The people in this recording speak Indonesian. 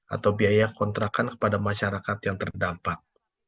atau biaya kontrakan kepada masyarakat yang terdampak